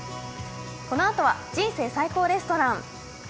このあとは「人生最高レストラン」。